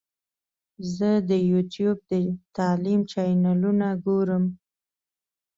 زه د یوټیوب د تعلیم چینلونه ګورم.